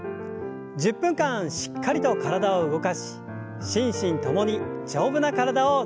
１０分間しっかりと体を動かし心身ともに丈夫な体を作りましょう。